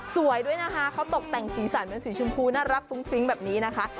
สวยด้วยนะคะเขาตกแต่งสีสันเป็นสีชมพูน่ารักฟุ้งฟิ้งแบบนี้นะคะ